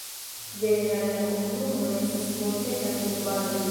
Ĝenerale la komunumo estas monteta kun valoj.